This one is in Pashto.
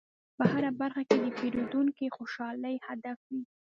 په هره برخه کې د پیرودونکي خوشحالي هدف وي.